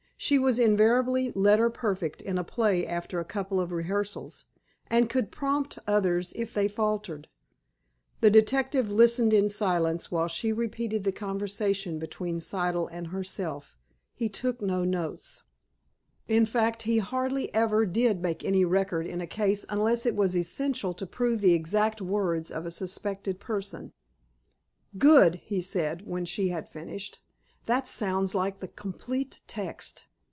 She was invariably letter perfect in a play after a couple of rehearsals, and could prompt others if they faltered. The detective listened in silence while she repeated the conversation between Siddle and herself. He took no notes. In fact, he hardly ever did make any record in a case unless it was essential to prove the exact words of a suspected person. "Good!" he said, when she had finished. "That sounds like the complete text."